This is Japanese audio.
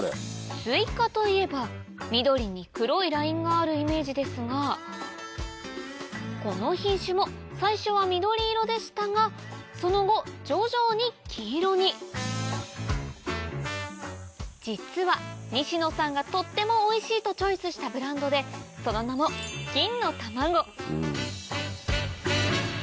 スイカといえば緑に黒いラインがあるイメージですがこの品種も最初は緑色でしたがその後徐々に黄色に実は西野さんがとってもおいしいとチョイスしたブランドでその名も「金のたまご」